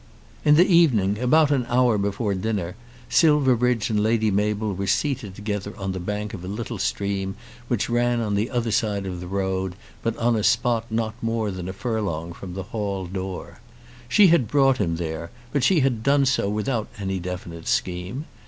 In the evening, about an hour before dinner, Silverbridge and Lady Mabel were seated together on the bank of a little stream which ran on the other side of the road, but on a spot not more than a furlong from the hall door. She had brought him there, but she had done so without any definite scheme.